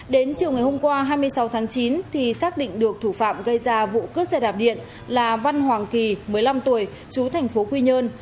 đến chiều ngày hôm qua hai mươi sáu tháng chín thì xác định được thủ phạm gây ra vụ cướp xe đạp điện là văn hoàng kỳ một mươi năm tuổi chú thành phố quy nhơn